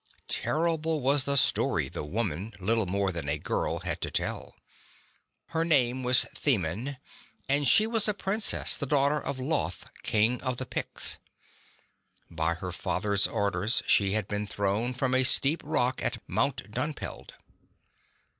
Terrible was the story the woman, little more than a girl, had to tell. Her name was Themin, and she was a princess, the daughter of Loth, King of the Piets. By her father's orders she had been thrown from a steep rock at Mount Dunpeld.